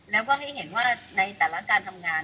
แล้วก็ให้เห็นว่าในแต่ละการทำงาน